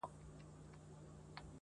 o شرم پر حقيقت غالب کيږي تل,